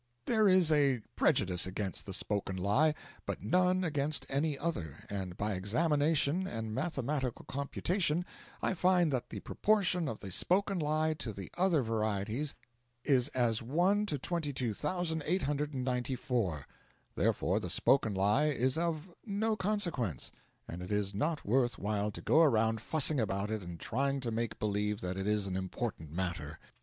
There is a prejudice against the spoken lie, but none against any other, and by examination and mathematical computation I find that the proportion of the spoken lie to the other varieties is as 1 to 22,894. Therefore the spoken lie is of no consequence, and it is not worth while to go around fussing about it and trying to make believe that it is an important matter.